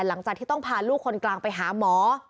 หลังจากที่ต้องพาลูกคนกลางไปหาหมอ